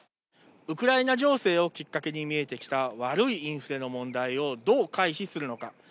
ウクライナ情勢をきっかけに見えてきた悪いインフレの問題をどう回避するのか。